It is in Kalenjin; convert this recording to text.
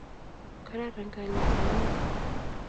Kararan kalyet eng' iman.